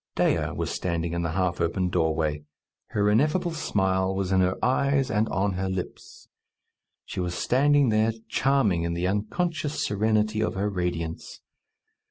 Dea was standing in the half open doorway. Her ineffable smile was in her eyes and on her lips. She was standing there, charming in the unconscious serenity of her radiance.